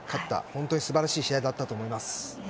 本当に素晴らしい試合だったと思います。